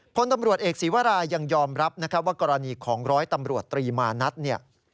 พลตำรวจเอกศีวรายังยอมรับนะครับว่ากรณีของร้อยตำรวจตรีมานัดเนี่ย